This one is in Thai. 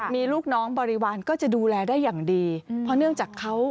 มีลูกน้องบริวารก็จะดูแลได้อย่างดีเพราะเนื่องจากเขา